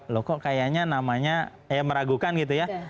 loh kok kayaknya namanya ya meragukan gitu ya